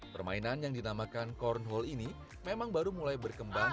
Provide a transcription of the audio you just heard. permainan yang dinamakan cornhole ini memang baru mulai berkembang